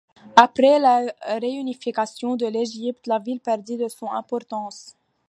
Après la réunification de l'Égypte, la ville perdit de son importance.